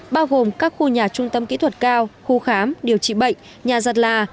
bao gồm các khu nhà trung tâm kỹ thuật cao khu khám điều trị bệnh nhà giật là